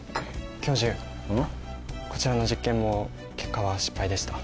教授こちらの実験も結果は失敗でした。